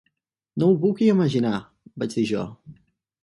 "No m'ho puc imaginar", vaig dir jo.